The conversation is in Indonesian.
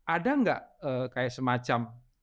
ada nggak kayak semacam